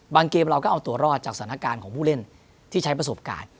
เกมเราก็เอาตัวรอดจากสถานการณ์ของผู้เล่นที่ใช้ประสบการณ์